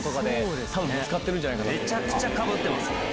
めちゃくちゃかぶってますね。